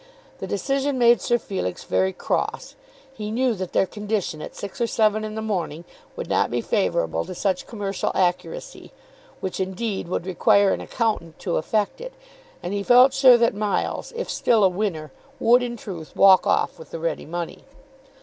The decision made Sir Felix very cross. He knew that their condition at six or seven in the morning would not be favourable to such commercial accuracy, which indeed would require an accountant to effect it; and he felt sure that Miles, if still a winner, would in truth walk off with the ready money.